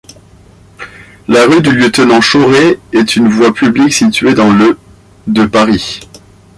La rue du Lieutenant-Chauré est une voie publique située dans le de Paris.